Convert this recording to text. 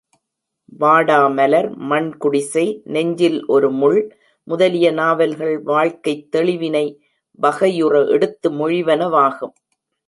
வாடாமலர், மண் குடிசை, நெஞ்சில் ஒரு முள் முதலிய நாவல்கள் வாழ்க்கைத் தெளிவினை வகையுற எடுத்து மொழிவனவாகும்.